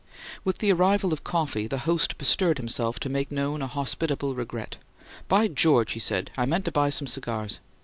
With the arrival of coffee, the host bestirred himself to make known a hospitable regret, "By George!" he said. "I meant to buy some cigars."